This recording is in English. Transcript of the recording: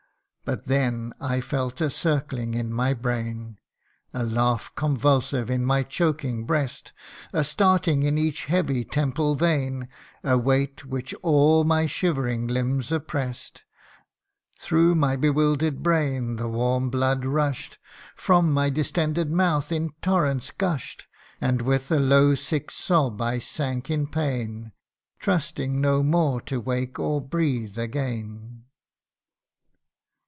But then, I felt a circling in my brain ; A laugh convulsive in my choking breast ; A starting in each heavy temple vein, A weight which all my shivering limbs oppress 'd. Through my bewilder'd brain the warm blood rush'd, From my distended mouth in torrents gush'd ; And with a low sick sob I sank in pain, Trusting no more to wake or breathe again.